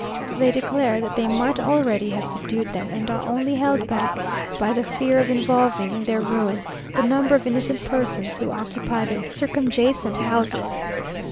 They declare that they might already have subdued them, and are only held back by the fear of involving in their ruin the number of innocent persons who occupy the circumjacent houses.